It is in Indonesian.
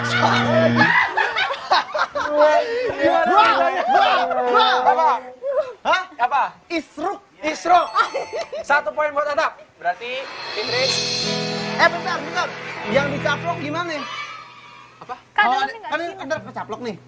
apa apa isruk isruk satu poin berarti